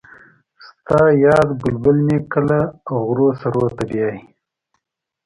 ستا یاد بلبل مې کله کله غرو سرو ته بیايي